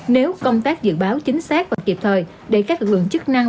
nếu công tác dự báo chính xác và kịp thời để các lực lượng chức năng